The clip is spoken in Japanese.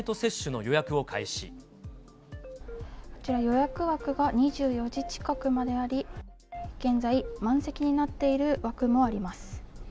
予約枠が２４時近くまであり、現在、満席になっている枠もあります。